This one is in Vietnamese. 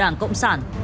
của đảng cộng sản